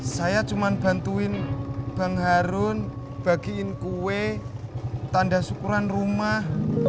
saya cuma bantuin bang harun bagiin kue tanda syukuran rumah